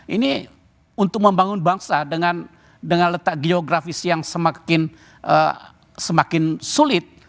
ini untuk membangun bangsa dengan letak geografis yang semakin sulit